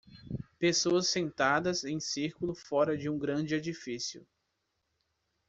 Pessoas sentadas em círculo fora de um grande edifício.